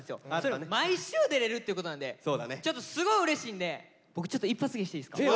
毎週出れるってことなんでちょっとすごいうれしいんで僕ちょっと一発芸していいですか？